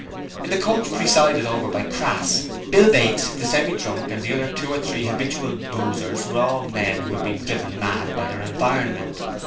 In the coach presided over by Crass, Bill Bates, the Semi drunk and the other two or three habitual boozers were all men who had been driven mad by their environment.